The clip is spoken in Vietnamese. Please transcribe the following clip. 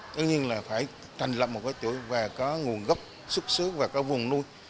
tất nhiên là phải trành lập một cái chuỗi và có nguồn gốc xuất xứ và có vùng nuôi